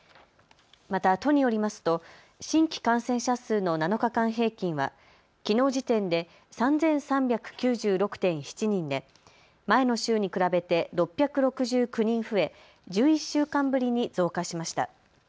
また都によりますと新規感染者数の７日間平均はきのう時点で３３９６．７人で前の週に比べて６６９人増え１１週間ぶりに増加しました。